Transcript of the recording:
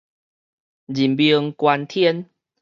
人命關天